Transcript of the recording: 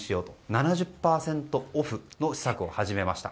７０％オフのサービスを始めました。